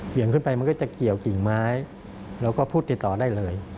เหวี่ยงขึ้นไปมันก็จะเกี่ยวกิ่งไม้แล้วก็พูดติดต่อได้เลย